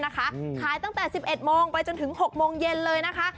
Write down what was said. ขายตั้งแต่๑๑โมงไปจนถึง๖โมงเย็นเลยนะคะ